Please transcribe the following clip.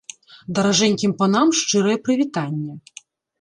Даражэнькім панам шчырае прывітанне.